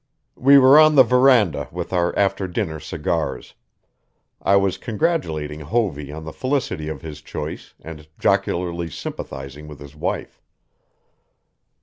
We were on the veranda with our after dinner cigars. I was congratulating Hovey on the felicity of his choice and jocularly sympathizing with his wife.